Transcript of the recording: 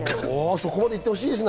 そこまでいってほしいですね。